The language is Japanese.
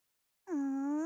うん？